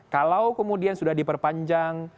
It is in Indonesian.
kalau kemudian sudah diperpanjang